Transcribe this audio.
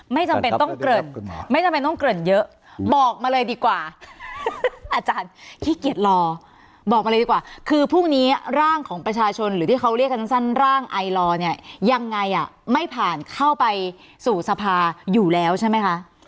ไม่จำเป็นต้องเกริ่นไม่จำเป็นต้องเกริ่นเยอะบอกมาเลยดีกว่าอาจารย์ขี้เกียจรอบอกมาเลยดีกว่าคือพรุ่งนี้ร่างของประชาชนหรือที่เขาเรียกกันสั้นร่างไอลอร์เนี่ยยังไงอ่ะไม่ผ่านเข้าไปสู่สภาอยู่แล้วใช่ไหมคะ